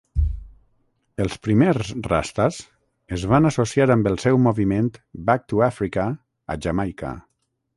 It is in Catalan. Els primers rastas es van associar amb el seu moviment Back-to-Africa a Jamaica.